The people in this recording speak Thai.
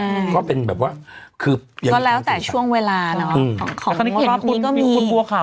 อ่าก็เป็นแบบว่าคือก็แล้วแต่ช่วงเวลาเนอะอืมของมีมีคุณปัวขาว